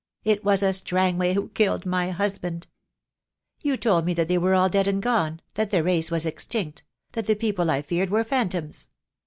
It was a Strangway who killed my husband. You told me that they were all dead and gone — that the race was extinct — that the people I feared were phantoms.